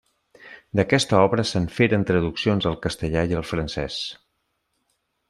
D’aquesta obra se’n feren traduccions al castellà i al francès.